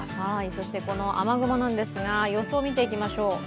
そしてこの雨雲ですが、予想を見ていきましょう。